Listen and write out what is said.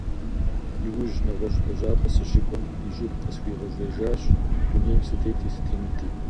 Иужьым, нэгъуэщӀ лэжьапӀэ сыщыкӀуэм, и щӀыб къысхуигъэзэжащ - дунейм сытети сытемыти.